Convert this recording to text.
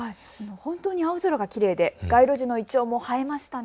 本当に青空がきれいで街路樹のイチョウも映えましたね。